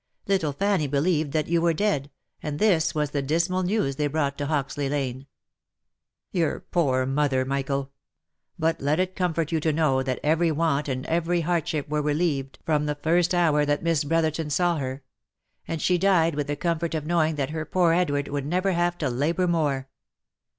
Little Fanny believed that you were dead, and this was the dismal news they brought to Hoxley lane. — Your poor mother, Michael ! But let it comfort you to know that OF MICHAEL ARMSTRONG, 327 every want and every hardship were relieved from the first hour that Miss Brotherton saw her — and she died with the comfort of knowing that her poor Edward would never have to labour more.